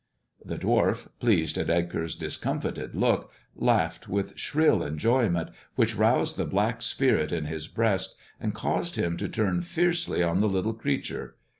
The d\^arf, pleased at Edgar's discomfited look, laughed with shrill enjoyment, which roused the black spirit in his breast, and caused him to turn fiercely on the little creature.